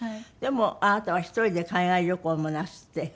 でもあなたは１人で海外旅行もなすって。